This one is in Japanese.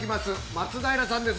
松平さんです。